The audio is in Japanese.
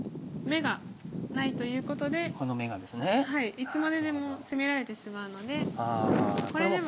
いつまででも攻められてしまうのでこれでは。